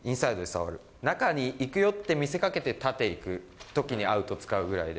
中に行くよって見せかけて、縦行くときにアウト使うぐらいで。